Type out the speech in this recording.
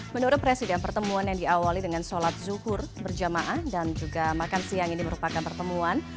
menurut presiden pertemuan yang diawali dengan sholat zuhur berjamaah dan juga makan siang ini merupakan pertemuan